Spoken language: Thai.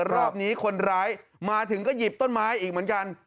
รอบนี้คนร้ายมาถึงก็หยิบต้นไม้อีกเหมือนกัน